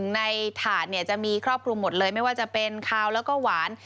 ในถาดเนี่ยจะมีครอบคลุมหมดเลยไม่ว่าจะเป็นคาวแล้วก็หวาน